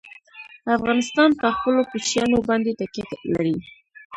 افغانستان په خپلو کوچیانو باندې تکیه لري.